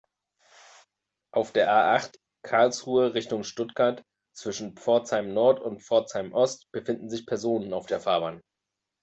Auf der A-acht, Karlsruhe Richtung Stuttgart, zwischen Pforzheim-Nord und Pforzheim-Ost befinden sich Personen auf der Fahrbahn.